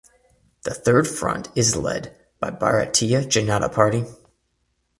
The third front is led by Bharatiya Janata Party.